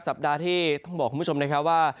สัปดาห์ที่ต้องบอกคุณผู้ชมนะครับว่า